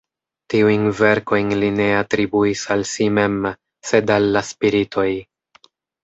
Tiujn verkojn li ne atribuis al si mem, sed al la spiritoj.